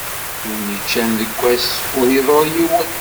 Win yeččan deg ass, ur iḍurr yiwen.